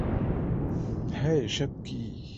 হেই, এসব কী?